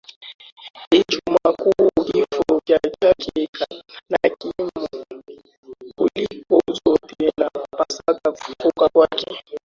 Ijumaa Kuu kifo chake na muhimu kuliko zote ni Pasaka kufufuka kwake